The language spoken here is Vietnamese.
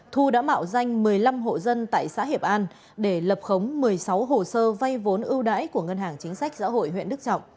thu đã mạo danh một mươi năm hộ dân tại xã hiệp an để lập khống một mươi sáu hồ sơ vay vốn ưu đãi của ngân hàng chính sách xã hội huyện đức trọng